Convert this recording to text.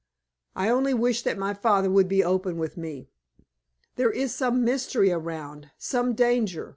I only wish that my father would be open with me. There is some mystery around, some danger.